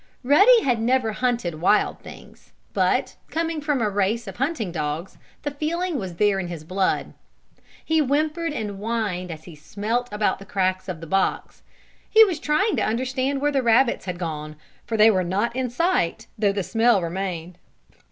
Ruddy had never hunted wild things, but, coming from a race of hunting dogs, the feeling was there in his blood. He whimpered and whined as he smelt about the cracks of the box. He was trying to understand where the rabbits had gone, for they were not in sight, though the smell remained.